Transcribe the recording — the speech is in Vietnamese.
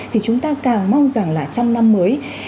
thì chúng ta càng mong rằng là trong năm mới